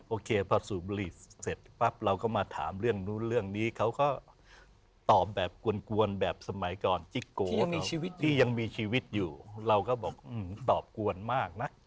โอเคพอสูบบุหรี่เสร็จปั๊บเราก็มาถามเรื่องนู้นเรื่องนี้เขาก็ตอบแบบกวนแบบสมัยก่อนจิ๊กโกที่ยังมีชีวิตอยู่เราก็บอกตอบกวนมากนะ